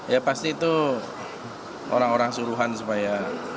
ya pasti itu orang orang suruhan supaya